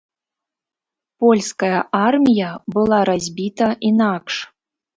Польская армія была разбіта інакш.